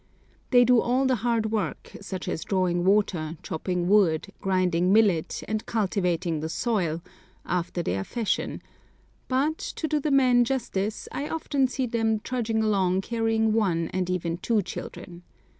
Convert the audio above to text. They do all the hard work, such as drawing water, chopping wood, grinding millet, and cultivating the soil, after their fashion; but, to do the men justice, I often see them trudging along carrying one and even two children.